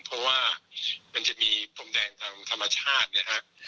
เพราะว่ามันจะมีพรมแดงธรรมชาตินะครับ